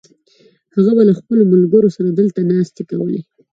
هغه به له خپلو ملګرو سره دلته ناستې کولې.